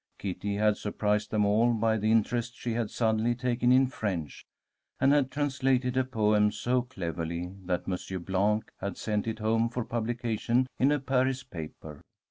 Kitty had surprised them all by the interest she had suddenly taken in French, and had translated a poem so cleverly that Monsieur Blanc had sent it home for publication in a Paris paper.